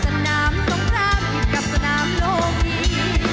สนามสงครามกับสนามโลกนี้